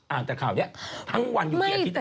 แต่ข่าวนี้ทั้งวันอยู่กี่อาทิตย์